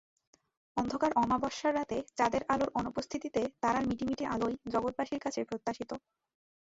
অন্ধকার অমাবস্যার রাতে, চাঁদের আলোর অনুপস্থিতিতে তারার মিটিমিটি আলোই জগৎবাসীর কাছে প্রত্যাশিত।